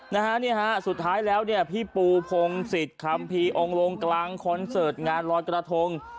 นะฮะเนี่ยฮะสุดท้ายแล้วเนี่ยพี่ปูพงศิษย์คัมภีร์องค์ลงกลางคอนเสิร์ตงานลอยกระทง